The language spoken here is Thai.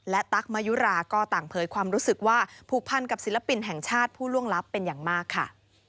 และตั๊กมายุราก็ต่างเผยความรู้สึกว่าผูกพันกับศิลปินแห่งชาติผู้ล่วงลับเป็นอย่างมากค่ะ